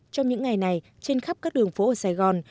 trong những ngày này trên khắp các đường phố ở sài gòn